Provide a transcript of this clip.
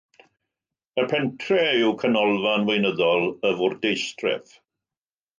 Y pentref yw canolfan weinyddol y fwrdeistref.